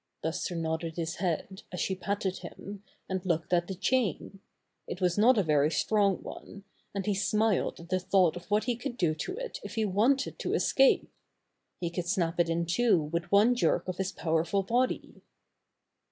Buster nodded his head, as she patted him, and looked at the chain. It was not a very strong one, and he smiled at the thought of what he could do to it if he wanted to escape. He could snap it in two with one jerk of his powerful body.